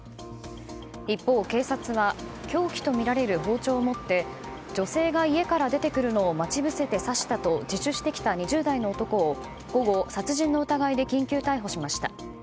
一方、警察は凶器とみられる包丁を持って女性が家から出てくるのを待ち伏せて刺したと自首してきた２０代の男を午後、殺人の疑いで緊急逮捕しました。